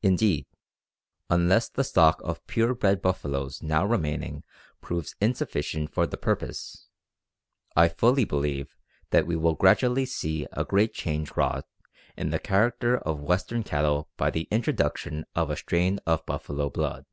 Indeed, unless the stock of pure blood buffaloes now remaining proves insufficient for the purpose, I fully believe that we will gradually see a great change wrought in the character of western cattle by the introduction of a strain of buffalo blood.